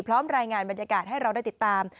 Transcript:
พร้อมรายงานบรรยากาศให้เราได้ติดตาม